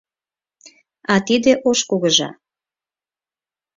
А тиде ош кугыжа.